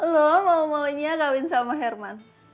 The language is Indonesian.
lo mau maunya kawin sama herman